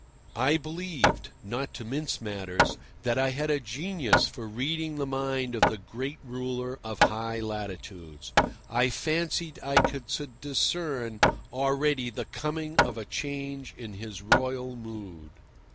I believed—not to mince matters—that I had a genius for reading the mind of the great ruler of high latitudes. I fancied I could discern already the coming of a change in his royal mood.